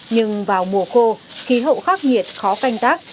nhưng vào mùa khô khí hậu khắc nghiệt khó canh tác